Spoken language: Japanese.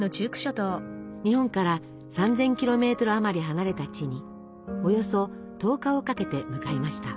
日本から３，０００ｋｍあまり離れた地におよそ１０日をかけて向かいました。